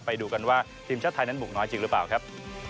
ไปดูกันว่าทีมชาติไทยนั้นบุกน้อยจริงหรือเปล่าครับ